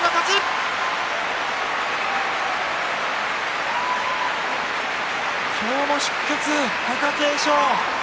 拍手今日も出血、貴景勝。